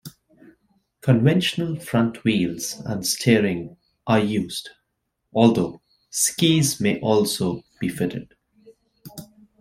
Conventional front wheels and steering are used, although skis may also be fitted.